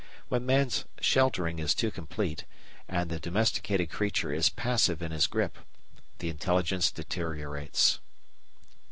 When man's sheltering is too complete and the domesticated creature is passive in his grip, the intelligence deteriorates.